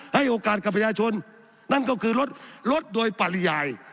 ให้โอกาสกับประชาชนนั่นก็คือรถรถโดยปริยาย